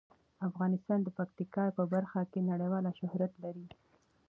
افغانستان د پکتیکا په برخه کې نړیوال شهرت لري.